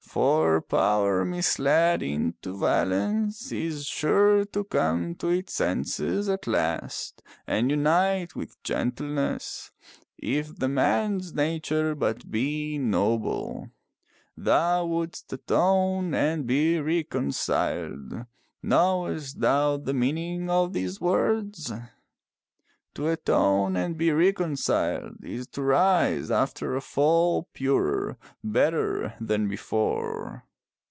For power misled into violence is sure to come to its senses at last and unite with gentleness, if the man's nature but be noble. Thou wouldst atone and be reconciled. Knowest thou the meaning of these words? To atone and be reconciled is to rise after a fall purer, better, than before.